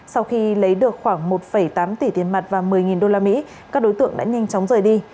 sau khi lấy được khoảng một tám tỷ tiền mặt và một mươi usd các đối tượng đã nhanh chóng rời đi